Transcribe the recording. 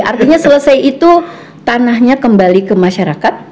artinya selesai itu tanahnya kembali ke masyarakat